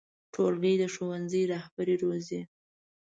ښوونځی د ټولنې رهبري روزي